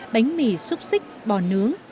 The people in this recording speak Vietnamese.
bánh mì xúc xích bò nướng